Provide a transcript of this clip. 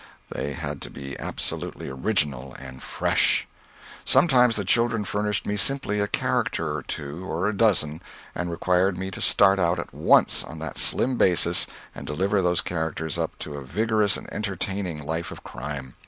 They had to be absolutely original and fresh. Sometimes the children furnished me simply a character or two, or a dozen, and required me to start out at once on that slim basis and deliver those characters up to a vigorous and entertaining life of crime.